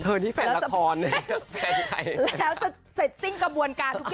เธอนี่แฟนละครแล้วจะเกิดใจไปหลาย